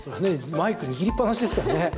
マイク握りっぱなしですからね。